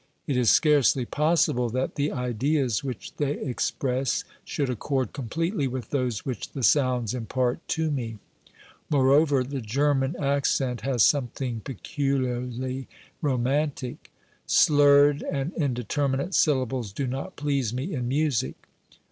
It is scarcely possible that the ideas which they express should accord completely with those which the sounds impart to me. Moreover, the German accent has something pecu liarly romantic. Slurred and indeterminate syllables do not please me in music.